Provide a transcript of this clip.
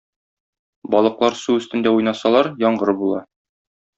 Балыклар су өстендә уйнасалар, яңгыр була.